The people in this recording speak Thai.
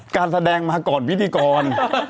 การแสดงมาก่อนพิธีกร